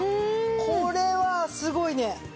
これはすごいね！